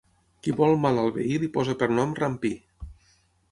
Qui vol mal al veí li posa per nom Rampí.